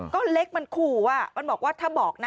ก็เล็กมันขู่อ่ะมันบอกว่าถ้าบอกนะ